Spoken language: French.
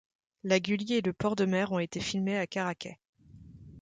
La Gully et le port de mer ont été filmés à Caraquet.